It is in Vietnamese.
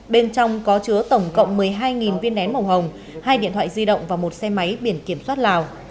bên trong có chứa tổng cộng một mươi hai viên nén màu hồng hai điện thoại di động và một xe máy biển kiểm soát lào